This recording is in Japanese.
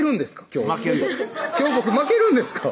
今日今日僕負けるんですか？